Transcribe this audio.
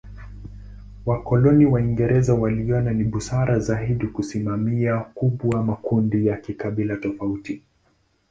Wakoloni Waingereza waliona ni busara zaidi ya kusimamia kubwa makundi ya kikabila tofauti.